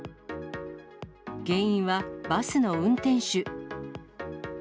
原因はバスの運転手。